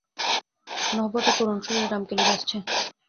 নহবতে করুণ সুরে রামকেলি বাজছে।